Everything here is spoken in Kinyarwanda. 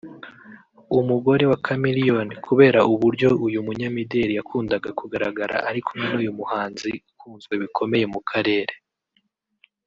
umugore wa Chameleone kubera uburyo uyu munyamideli yakundaga kugaragara ari kumwe n’uyu muhanzi ukunzwe bikomeye mu karere